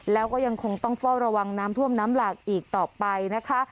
แล้วก็ยังคงต้องเฝ้าระวังน้ำท่วมน้ำหลากอีกต่อไปนะคะ